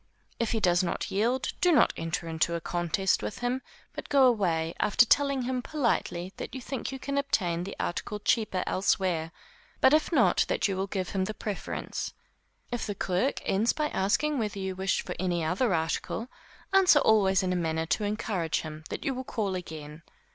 If he does not yield, do not enter into a contest with him, but go away, after telling him politely that you think you can obtain the article cheaper elsewhere, but if not, that you will give him the preference. If the clerk ends by asking whether you wish for any other article, answer always in a manner to encourage him that you will call again.